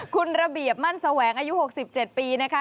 คุณระเบียบมั่นแสวงอายุ๖๗ปีนะคะ